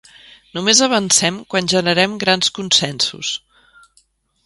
Només avancem quan generem grans consensos